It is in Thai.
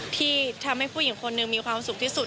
ที่ทำให้ผู้หญิงคนหนึ่งมีความสุขที่สุด